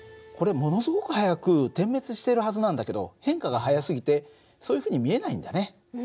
これものすごく速く点滅しているはずなんだけど変化が速すぎてそういうふうに見えないんだね。